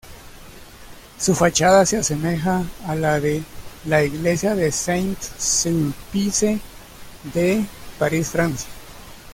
Su fachada se asemeja a la de la Iglesia de Saint-Sulpice de París, Francia.